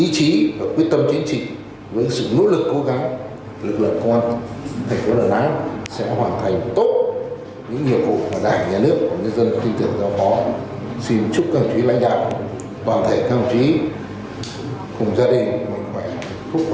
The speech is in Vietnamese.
chỉ đạo đối với lực lượng công an thành phố và toàn bộ chiến sĩ công an thành phố